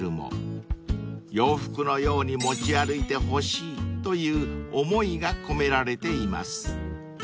［洋服のように持ち歩いてほしいという思いが込められています］